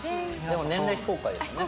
でも年齢非公開ですよね？